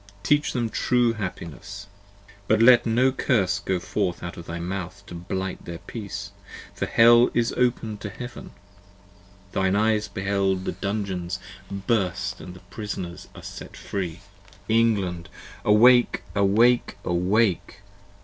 Teach them True Happiness, but let no curse Go forth out of thy mouth to blight their peace. 75 For Hell is open'd to Heaven: thine eyes beheld The dungeons burst & the Prisoners set free. 93 England! awake! awake! awake!